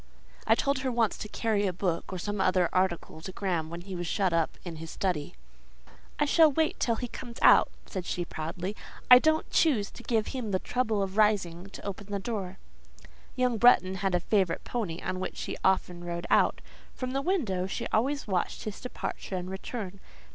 I told her once to carry a book or some other article to Graham when he was shut up in his study. "I shall wait till he comes out," said she, proudly; "I don't choose to give him the trouble of rising to open the door." Young Bretton had a favourite pony on which he often rode out; from the window she always watched his departure and return.